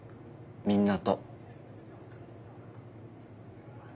みんなと。